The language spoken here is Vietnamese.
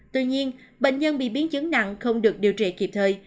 tuy nhiên bệnh nhân bị biến chứng nặng không được điều trị kịp thời